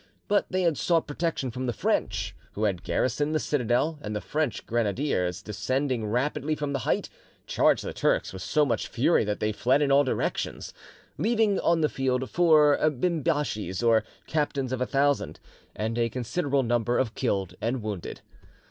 But they had sought protection from the French, who had garrisoned the citadel, and the French grenadiers descending rapidly from the height, charged the Turks with so much fury that they fled in all directions, leaving on the field four "bimbashis," or captains of a thousand, and a considerable number of killed and wounded.